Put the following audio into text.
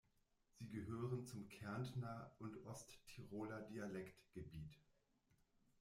Sie gehören zum Kärntner und Osttiroler Dialektgebiet.